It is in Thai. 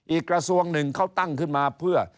อีกกระทรวงหนึ่งเขาตั้งขึ้นมาเพื่อ